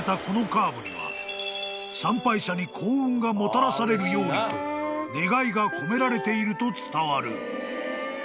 このカーブには参拝者に幸運がもたらされるようにと願いが込められていると伝わる］